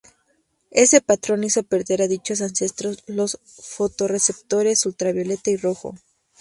Ese patrón hizo perder a dichos ancestros los fotorreceptores ultravioleta y rojo.